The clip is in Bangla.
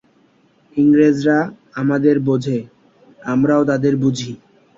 ইংরেজরা আমাদের বোঝে, আমরাও তাদের বুঝি।